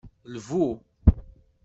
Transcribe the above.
Lbu.